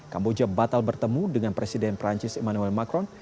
kamboja batal bertemu dengan presiden perancis emmanuel macron